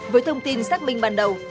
với thông tin xác minh ban đầu